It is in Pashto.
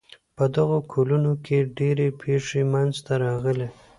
په دغو کلونو کې ډېرې پېښې منځته راغلې.